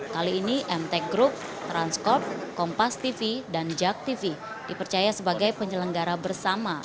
kali ini mtek group transkop kompas tv dan jaktv dipercaya sebagai penyelenggara bersama